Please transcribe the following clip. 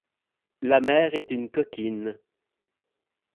La mer est une coquine